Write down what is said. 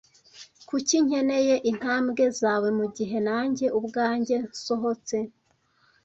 Kuki nkeneye intambwe zawe mugihe nanjye ubwanjye nsohotse?